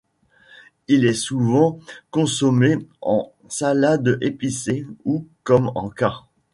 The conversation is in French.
Il est souvent consommé en salade épicée ou comme en-cas.